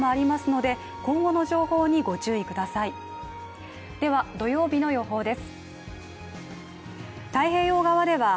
では土曜日の予報です。